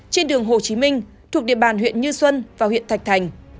trên đường hồ chí minh thuộc địa bàn huyện như xuân và huyện thạch thành